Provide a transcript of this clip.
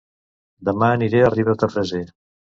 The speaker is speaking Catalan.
Dema aniré a Ribes de Freser